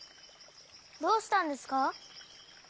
どうしたんですか？